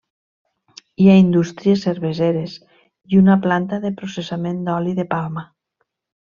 Hi ha indústries cerveseres i una planta de processament d'oli de palma.